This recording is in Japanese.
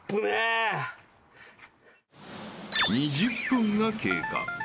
［２０分が経過］